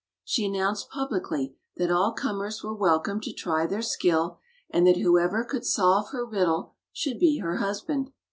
She announced publicly that all comers were welcome to try their skill, and that whoever could solve her riddle should be her husband.